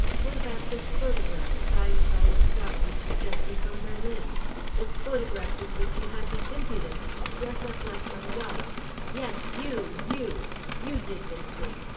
"What about this photograph, signed by yourself, which you sent me from Berlin? This photograph in which you had the impudence to dress up like my wife? Yes, you, you! You did this thing!